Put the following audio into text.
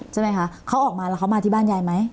ใช่ไหมคะเขาออกมาแล้วเขามาที่บ้านยายไหม